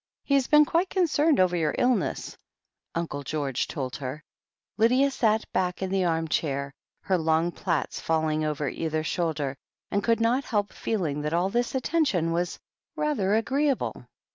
He has been quite concerned over your illness," Uncle George told her. Lydia sat back in the arm chair, her long plaits fall 46 THE HEEL OF ACHILLES ing over either shoulder, and could not help feeling that all this attention was rather agreeable.